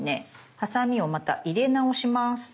ハサミをまた入れ直します。